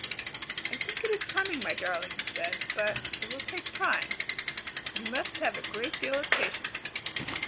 "I think it is coming, my darling," he said, "but it will take time, and you must have a great deal of patience.